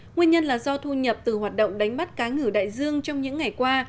nguyên nhân là do thu nhập từ hoạt động đánh bắt cá ngử đại dương trong những ngày qua